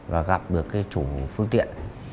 và gặp được cái chủ phương tiện